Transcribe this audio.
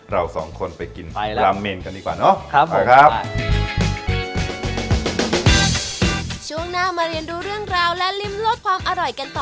เราสองคนไปกินราเมนกันดีกว่าเนาะ